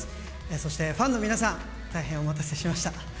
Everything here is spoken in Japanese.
そしてファンの皆さん、大変お待たせしました。